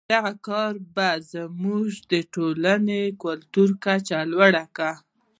دغه کار به زموږ د ټولنې کلتوري کچه لوړه کړي.